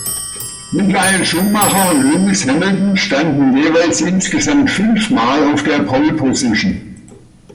Michael Schumacher und Lewis Hamilton standen jeweils insgesamt fünfmal auf der Pole-Position.